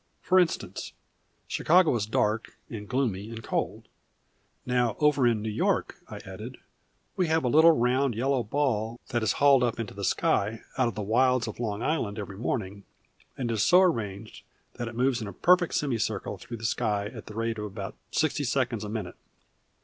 For instance, Chicago is dark, and gloomy, and cold. Now over in New York," I added, "we have a little round, yellow ball that is hauled up into the sky out of the wilds of Long Island every morning, and it is so arranged that it moves in a perfect semicircle through the sky at the rate of about sixty seconds a minute.